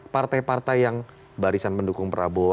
partai partai yang barisan pendukung prabowo